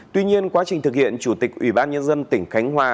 tuy nhiên quá trình thực hiện chủ tịch ủy ban nhân dân tỉnh khánh hòa